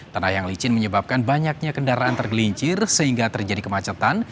tanah yang licin menyebabkan banyaknya kendaraan tergelincir sehingga terjadi kemacetan